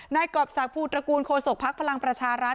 กรอบศักดิภูตระกูลโคศกภักดิ์พลังประชารัฐ